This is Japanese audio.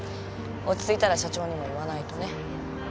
落ち着いたら社長にも言わないとね。